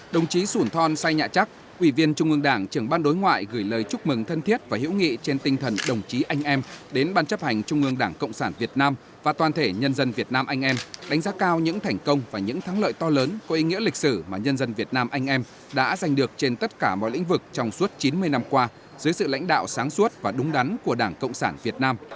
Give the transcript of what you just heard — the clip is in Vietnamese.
đồng chí sủn thon say nhạ chắc ủy viên trung ương đảng trường ban đối ngoại gửi lời chúc mừng thân thiết và hữu nghị trên tinh thần đồng chí anh em đến ban chấp hành trung ương đảng cộng sản việt nam và toàn thể nhân dân việt nam anh em đánh giá cao những thành công và những thắng lợi to lớn có ý nghĩa lịch sử mà nhân dân việt nam anh em đã giành được trên tất cả mọi lĩnh vực trong suốt chín mươi năm qua dưới sự lãnh đạo sáng suốt và đúng đắn của đảng cộng sản việt nam